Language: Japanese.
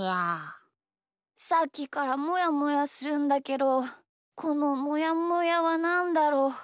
さっきからもやもやするんだけどこのもやもやはなんだろう？